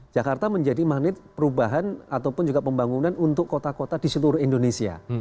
jakarta menjadi magnet perubahan ataupun juga pembangunan untuk kota kota di seluruh indonesia